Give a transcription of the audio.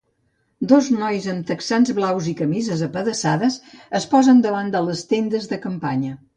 Dos nois amb texans blaus i camises apedaçades es posen davant de les tendes de campanya.